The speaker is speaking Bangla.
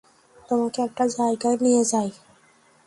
তোমাকে একটা জায়গায় নিয়ে যাই।